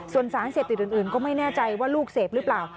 ส่วนสารเสพติดอื่นก็ไม่แน่ใจว่าลูกเสพหรือเปล่า